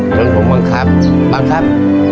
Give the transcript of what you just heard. จนผมบังคับบังคับ